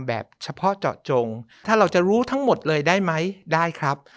แบบเฉพาะเจาะจงถ้าเราจะรู้ทั้งหมดเลยได้ไหมได้ครับ